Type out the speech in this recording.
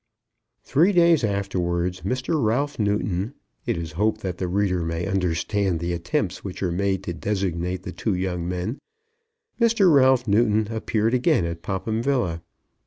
Three days afterwards Mr. Ralph Newton; it is hoped that the reader may understand the attempts which are made to designate the two young men; Mr. Ralph Newton appeared again at Popham Villa.